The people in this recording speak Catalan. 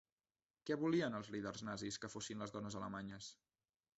Què volien els líders nazis que fossin les dones alemanyes?